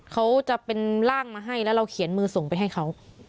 เขาจะเป็นร่างมาให้แล้วเราเขียนมือส่งไปให้เขา